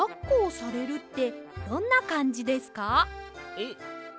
えっ？